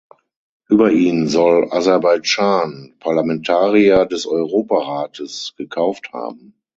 Über ihn soll Aserbaidschan Parlamentarier des Europarates gekauft haben.